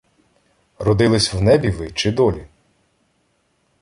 Родились в небі ви, чи долі?